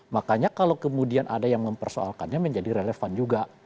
makanya kalau kemudian ada yang mempersoalkannya menjadi relevan juga